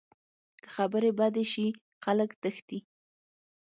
که خبرې بدې شي، خلک تښتي